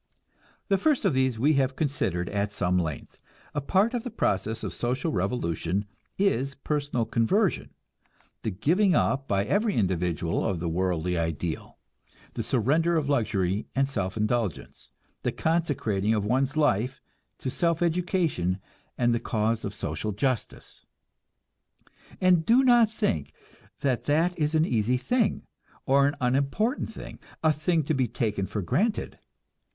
The first of these we have considered at some length. A part of the process of social revolution is personal conversion; the giving up by every individual of the worldly ideal, the surrender of luxury and self indulgence, the consecrating of one's life to self education and the cause of social justice. And do not think that that is an easy thing, or an unimportant thing, a thing to be taken for granted.